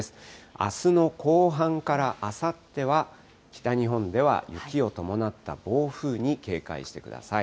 あすの後半からあさっては、北日本では雪を伴った暴風に警戒してください。